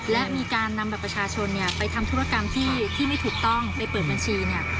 และมีการนำบัตรประชาชนเนี่ยไปทำธุรกรรมที่ไม่ถูกต้องไปเปิดบัญชีเนี่ย